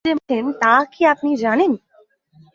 ওসমান গনি যে মারা গেছেন তা কি আপনি জানেন?